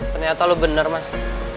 ternyata lo bener mas